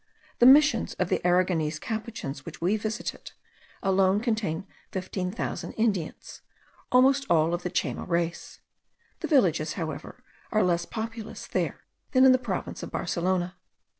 The Missions of the Aragonese Capuchins which we visited, alone contain fifteen thousand Indians, almost all of the Chayma race. The villages, however, are less populous there than in the province of Barcelona.